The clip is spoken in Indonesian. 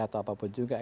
atau apapun juga